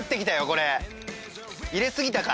これ入れすぎたか？